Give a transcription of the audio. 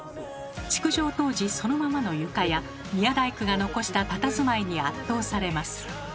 築城当時そのままの床や宮大工が残したたたずまいに圧倒されます。